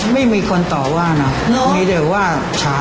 ไม่มีคนต่อว่านะมีเดี๋ยวว่าช้า